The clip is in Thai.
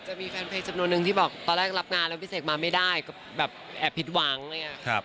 จะมีแฟนเพลงจำนวนนึงที่บอกตอนแรกรับงานแล้วพี่เสกมาไม่ได้ก็แบบแอบผิดหวังอะไรอย่างนี้